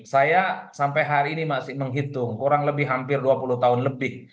saya sampai hari ini masih menghitung kurang lebih hampir dua puluh tahun lebih